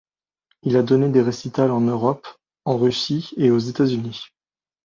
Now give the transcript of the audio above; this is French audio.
Il a donné des récitals en Europe, en Russie et aux États-Unis.